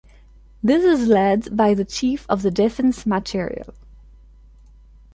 This is led by the Chief of Defence Materiel.